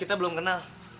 kita belum kenal